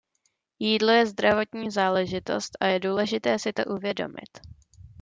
Jídlo je zdravotní záležitost a je důležité si to uvědomit.